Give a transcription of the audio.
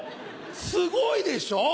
すごいでしょう？